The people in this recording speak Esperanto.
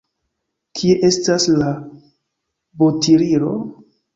Kie estas la bottirilo?